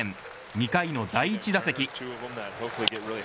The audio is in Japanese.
２回の第１打席。